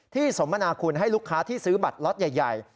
สมมนาคุณให้ลูกค้าที่ซื้อบัตรล็อตใหญ่